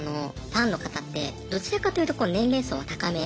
ファンの方ってどちらかというと年齢層は高め。